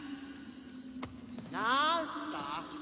なんすか？